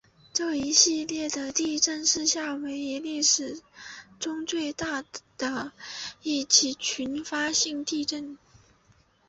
这一系列的地震是夏威夷历史中最大的一起群发性地震。